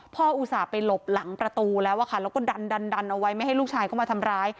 อุตส่าห์ไปหลบหลังประตูแล้วอะค่ะแล้วก็ดันดันเอาไว้ไม่ให้ลูกชายเข้ามาทำร้าย